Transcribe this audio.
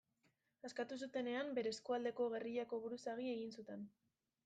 Askatu zutenean, bere eskualdeko gerrillako buruzagi egin zuten.